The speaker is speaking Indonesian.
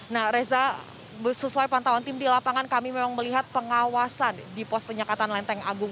nah reza sesuai pantauan tim di lapangan kami memang melihat pengawasan di pos penyekatan lenteng agung